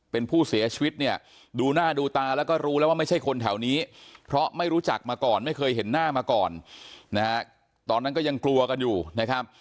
เป็นผู้เสียชีวิตเนี่ยดูหน้าดูตาแล้วก็รู้แล้วว่าไม่ใช่คนแถวนี้